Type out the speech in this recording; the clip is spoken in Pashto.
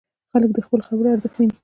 خلک دې د خپلو خبرو ارزښت وویني.